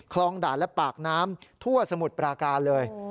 คลองดาตรและปากน้ำทั่วสมุดปราการเลย